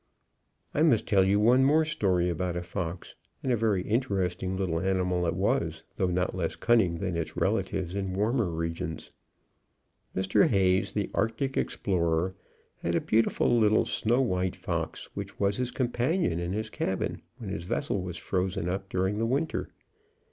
I must tell you one more story about a fox, and a very interesting little animal it was, though not less cunning than its relatives in warmer regions. Mr. Hayes, the Arctic explorer, had a beautiful little snow white fox, which was his companion in his cabin when his vessel was frozen up during the winter.